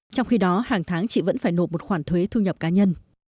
trong khi đó hàng tháng chị vẫn phải nộp một khoản thuế thu nhập cá nhân